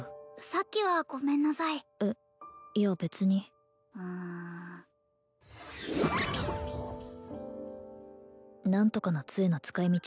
さっきはごめんなさいえっいや別にうん何とかの杖の使い道